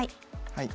はい。